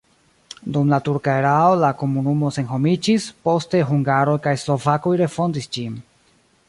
Dum la turka erao la komunumo senhomiĝis, poste hungaroj kaj slovakoj refondis ĝin.